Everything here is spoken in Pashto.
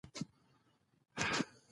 خو وروسته بیا جګړه وشوه او زوی یې ووژل شو.